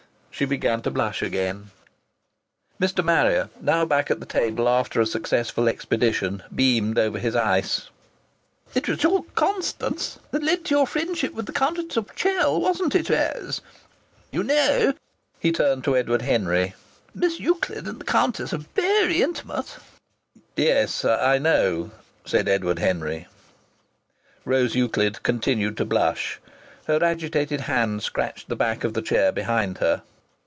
She began to blush again. Mr. Marrier, now back at the table after a successful expedition, beamed over his ice: "It was your 'Constance' that led to your friendship with the Countess of Chell, wasn't it, Ra ose? You know," he turned to Edward Henry, "Miss Euclid and the Countess are virry intimate." "Yes, I know," said Edward Henry. Rose Euclid continued to blush. Her agitated hand scratched the back of the chair behind her.